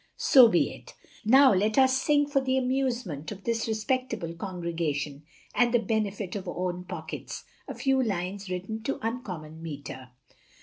So be it. Now let us sing for the amusement of this respectable congregation, and the benefit of own pockets, a few lines written to uncommon metre.